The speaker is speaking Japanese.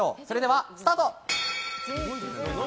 それではスタート！